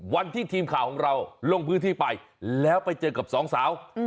วันที่ทีมข่าวของเราลงพื้นที่ไปแล้วไปเจอกับสองสาว